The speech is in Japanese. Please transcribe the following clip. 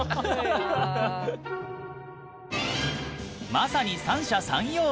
まさに三者三様！